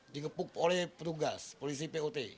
dikepuk oleh petugas polisi put